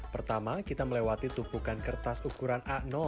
pertama kita melewati tumpukan kertas ukuran a